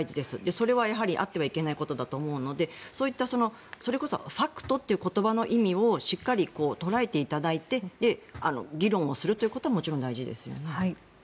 それはやはりあってはいけないことだと思うのでそういった、それこそファクトという言葉の意味をしっかり捉えていただいて議論をすることはもちろん大事ですよね。